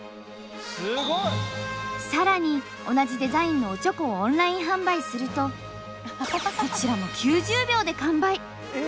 更に同じデザインの「おちょこ」をオンライン販売するとこちらも９０秒で完売。